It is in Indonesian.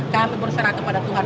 kami berserah kepada tuhan